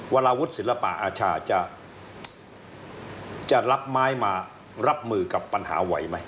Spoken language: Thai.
วรวุฒิศิลปะอาชาจะรับไม้มารับมือกับปัญหาไหวไหม